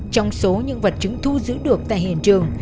trong số những vật chứng thu giữ được tại hiện trường